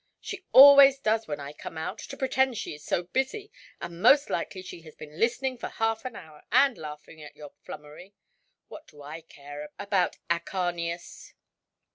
She always does when I come out, to pretend she is so busy; and most likely she has been listening for half an hour, and laughing at your flummery. What do I care about Acharnius?